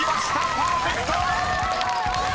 パーフェクトや！